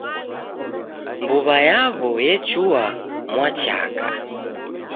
Mbuw'a yaw'o yechua mwachaka.